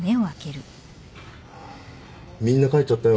みんな帰っちゃったよ。